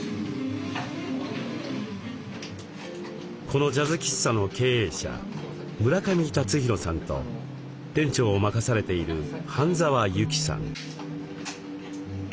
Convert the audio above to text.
このジャズ喫茶の経営者村上辰大さんと店長を任されている半澤由紀さん。